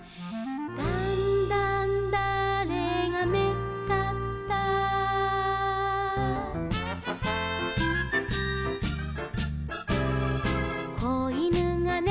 「だんだんだあれがめっかった」「子いぬがね